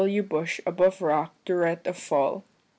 S.W Bush above rock to rt of fall.